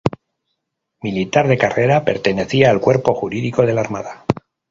Militar de carrera, pertenecía al Cuerpo Jurídico de la Armada.